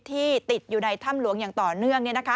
ที่ติดอยู่ในถ้ำหลวงอย่างต่อเนื่อง